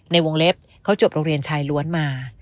ในวงเล็บเขาจบโรงเรียนชายล้วนมา